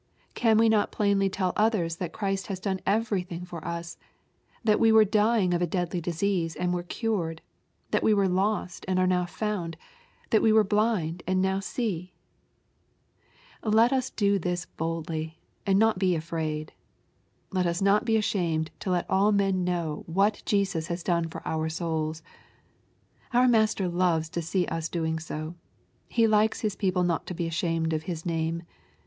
Can we not plainly tell others that Christ has done everything for us, — that we were dying of a deadly disease, and were cured, — ^that we were lost, and are now found, — ^that we were blind, and now see ? Let us do this boldly, and not be afraid. Let us not be ashamed to let all men know what Jesus has done far our souls. Our Master loves to see us doing so. He likes His people not to be ashamed of His name.